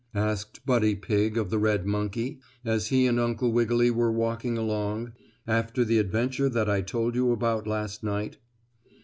asked Buddy Pigg of the red monkey, as he and Uncle Wiggily were walking along, after the adventure that I told you about last night.